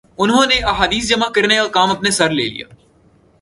انہوں نے احادیث جمع کرنے کا کام اپنے سر لے لیا